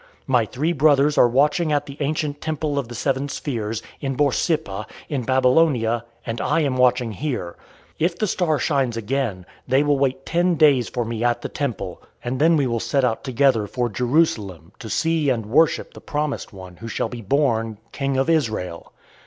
My three brothers are watching at the ancient temple of the Seven Spheres, at Borsippa, in Babylonia, and I am watching here. If the star shines again, they will wait ten days for me at the temple, and then we will set out together for Jerusalem, to see and worship the promised one who shall be born King of Israel.